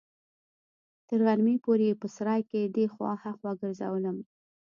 تر غرمې پورې يې په سراى کښې دې خوا ها خوا ګرځولم.